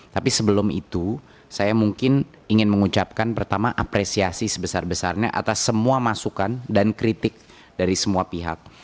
tapi sebelum itu saya mungkin ingin mengucapkan pertama apresiasi sebesar besarnya atas semua masukan dan kritik dari semua pihak